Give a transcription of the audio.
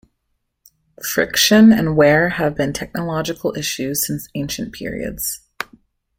Friction and wear have been technological issues since ancient periods.